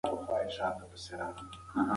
ځينې کلمې د جوړښت له مخې درنې وي.